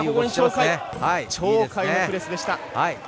鳥海のプレスでした。